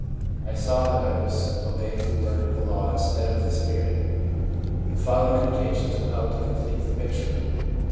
I saw that I was obeying the word of the law instead of the spirit/ The following quotations will help to com plete the picture : F.